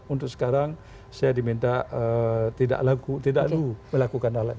untuk sekarang saya diminta tidak laku tidak melakukan hal lain